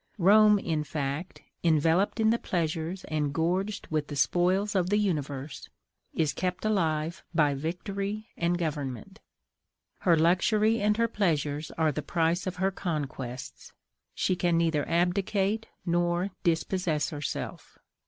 Rome, in fact, enveloped in the pleasures and gorged with the spoils of the universe, is kept alive by victory and government; her luxury and her pleasures are the price of her conquests: she can neither abdicate nor dispossess herself."